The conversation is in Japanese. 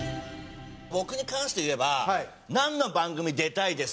僕に関して言えば「なんの番組出たいですか？」